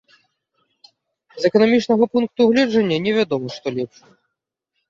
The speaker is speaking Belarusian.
З эканамічнага пункту гледжання невядома, што лепш.